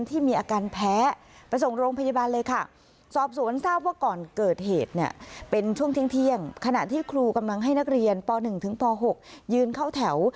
นักเรียนป๑๖ยืนเข้าแถว